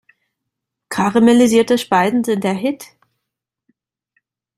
Karamellisierte Speisen sind der Hit!